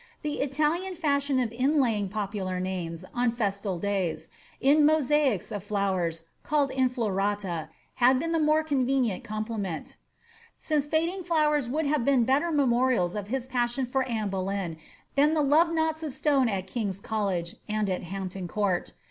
The Italian fashion of inlaying popular names, on fesud days, in mosaics of flowers, called inflorata^ had been the more convenient compliment ; since fading flowers would have been better memorials of his passion for Anne Boleyn than the love knots of stone at King's Col lege and at Hampton Court.